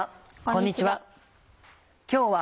こんにちは。